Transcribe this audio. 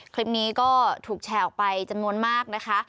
คลิปนี้ก็ถูกแชร์ออกไปจำนวนมากนะคะ